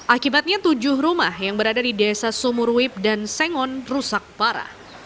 akibatnya tujuh rumah yang berada di desa sumurwip dan sengon rusak parah